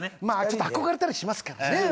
まあちょっと憧れたりしますからね。